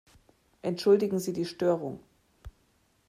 Entschuldigen Sie die Störung!